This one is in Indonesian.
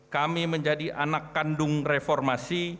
kami menjadi anak kandung reformasi